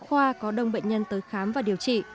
khoa có đông bệnh nhân tới khám và điều trị